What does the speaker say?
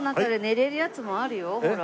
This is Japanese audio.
ほら。